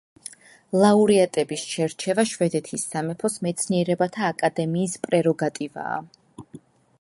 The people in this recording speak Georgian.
ლაურეატების შერჩევა შვედეთის სამეფოს მეცნიერებათა აკადემიის პრეროგატივაა.